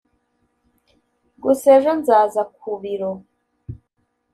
gusa ejo nzaza kubiro